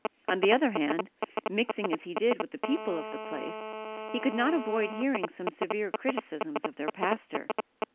On the other hand, mixing as he did with the people of the place, he could not avoid hearing some severe criticisms of their pastor.